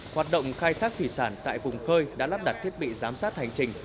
hoạt động khai thác thủy sản tại vùng khơi đã lắp đặt thiết bị giám sát hành trình